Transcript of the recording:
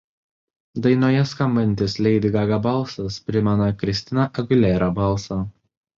Dainoje skambantis Lady Gaga balsas primena Christina Aguilera balsą.